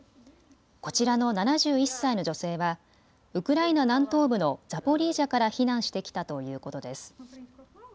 こちらの７１歳の女性はウクライナ南東部のザポリージャから避難してきたということです。